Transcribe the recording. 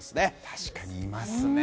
確かにいますね。